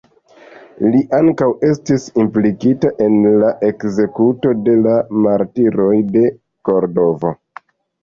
Li ankaŭ estis implikita en la ekzekuto de la "Martiroj de Kordovo".